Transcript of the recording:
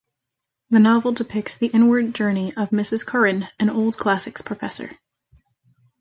The novel depicts the inward journey of Mrs. Curren, an old classics professor.